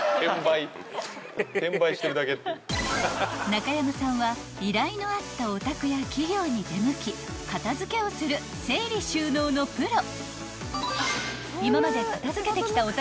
［中山さんは依頼のあったお宅や企業に出向き片付けをする整理収納のプロ］